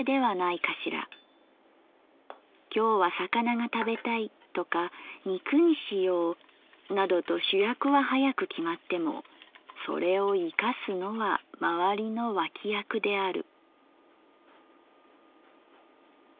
今日は魚が食べたいとか肉にしようなどと主役は早く決まってもそれを生かすのはまわりの脇役である」。